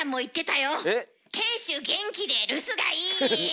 「亭主元気で留守がいい」。